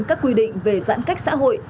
các quy định về giãn cách xã hội